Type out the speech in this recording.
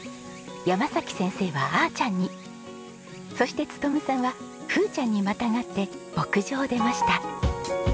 山崎先生はあーちゃんにそして勉さんはふーちゃんにまたがって牧場を出ました。